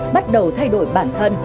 bắt đầu thay đổi bản thân